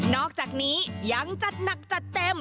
อกจากนี้ยังจัดหนักจัดเต็ม